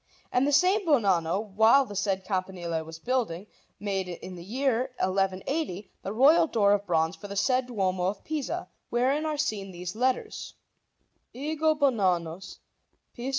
And the same Bonanno, while the said campanile was building, made, in the year 1180, the royal door of bronze for the said Duomo of Pisa, wherein are seen these letters: EGO BONANNUS PIS.